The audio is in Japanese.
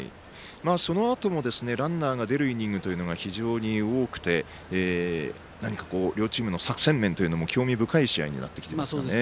そのあともランナーが出るイニングというのが非常に多くて何か両チームの作戦面も興味深い試合になってきています。